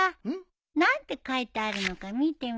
何て書いてあるのか見てみよう。